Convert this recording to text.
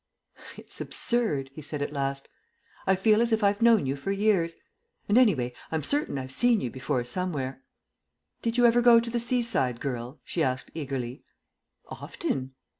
"It's absurd," he said at last; "I feel as if I've known you for years. And, anyway, I'm certain I've seen you before somewhere." "Did you ever go to The Seaside Girl?" she asked eagerly. "Often."